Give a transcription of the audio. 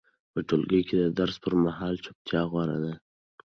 په ټولګي کې د درس پر مهال چوپتیا غوره ده.